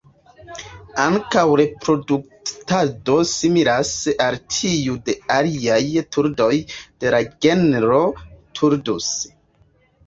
Ankaŭ reproduktado similas al tiu de aliaj turdoj de la genro "Turdus".